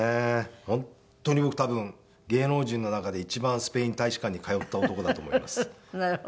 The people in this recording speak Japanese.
本当に僕多分芸能人の中で一番スペイン大使館に通った男だと思います。